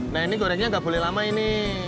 nah ini gorengnya nggak boleh lama ini